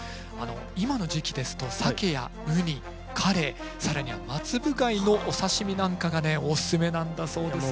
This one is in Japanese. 今の時期ですとさけやうにかれい更にはまつぶ貝のお刺身なんかがねおすすめなんだそうですよ。